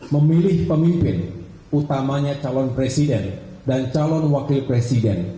memilih pemimpin utamanya calon presiden dan calon wakil presiden